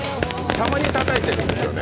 たまにたたいてるんですよね。